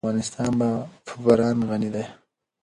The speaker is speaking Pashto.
افغانستان په باران غني دی.